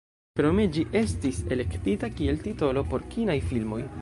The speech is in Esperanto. Krome ĝi estis elektita kiel titolo por kinaj filmoj.